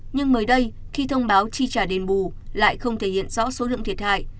nhưng mới đây khi thông báo chi trả đền bù lại không thể hiện rõ số lượng thiệt hại